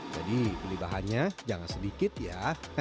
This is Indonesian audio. jadi beli bahannya jangan sedikit ya